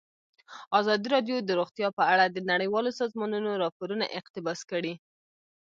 ازادي راډیو د روغتیا په اړه د نړیوالو سازمانونو راپورونه اقتباس کړي.